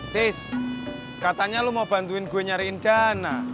tis katanya lo mau bantuin gue nyariin dana